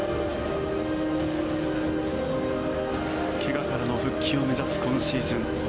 怪我からの復帰を目指す今シーズン。